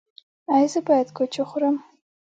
ایا زه باید کوچ وخورم؟